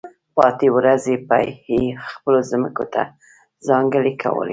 پاتې ورځې به یې خپلو ځمکو ته ځانګړې کولې.